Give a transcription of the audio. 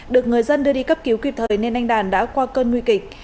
được người dân đưa đi cấp cứu kịp thời nên anh đàn đã qua cơn nguy kịch